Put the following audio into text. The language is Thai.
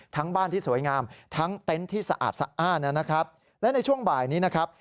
บ้านที่สวยงามทั้งเต็นต์ที่สะอาดสะอ้านนะครับและในช่วงบ่ายนี้นะครับ